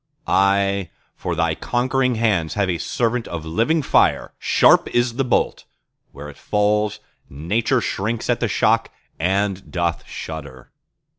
Aye, for Thy conquering hands have a servant of living fire— Sharp is the bolt!—where it falls, Nature shrinks at the shock and doth shudder.